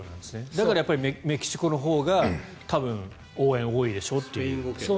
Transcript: だから、メキシコのほうが多分、応援が多いでしょうと。